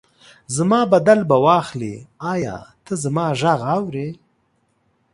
زما بدل به واخلي، ایا ته زما غږ اورې؟